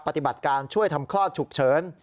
ปฏิบัติการช่วยทำคลอดฉุกเฉิน